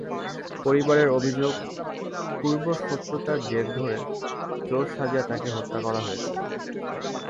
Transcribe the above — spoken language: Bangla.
পরিবারের অভিযোগ, পূর্বশত্রুতার জের ধরে চোর সাজিয়ে তাঁকে হত্যা করা হয়েছে।